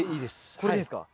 これでいいですか？